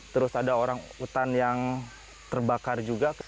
terus ada orang hutan yang terbakar juga